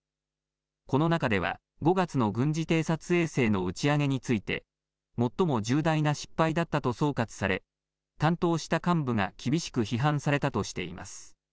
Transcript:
この中では５月の軍事偵察衛星の打ち上げについて最も重大な失敗だったと総括され担当した幹部が厳しく批判されたとしています。